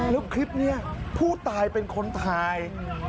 แล้วคลิปนี้ผู้ตายเป็นคนถ่าย